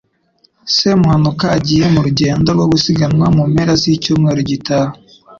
Semuhanuka agiye murugendo rwo gusiganwa mu mpera z'icyumweru gitaha.